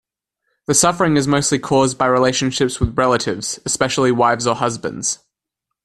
The suffering is mostly caused by relationships with relatives, especially wives or husbands.